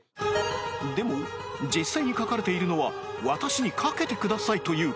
でも実際に書かれているのは「私にかけてください」という言葉